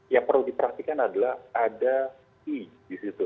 yang perlu dipraktikan adalah ada fee di situ